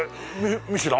ミシュラン？